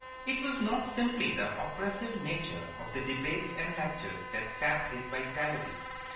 It was not simply the oppressive nature of the debates and lectures that sapped his vitality.